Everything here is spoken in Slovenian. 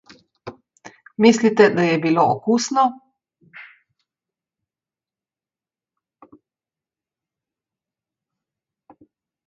Mislite, da je bilo okusno?